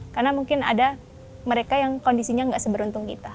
karena mungkin ada mereka yang kondisinya nggak seberuntung kita